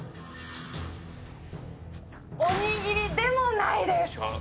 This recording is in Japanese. おにぎりでもないです！